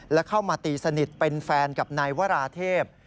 และเข้ามาตีสนิทเป็นแฟนกับนายวราเทพ